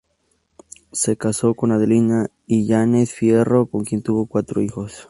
Se casó con Adelina Illanes Fierro, con quien tuvo cuatro hijos.